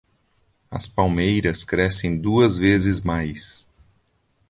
As palmeiras crescem duas vezes mais.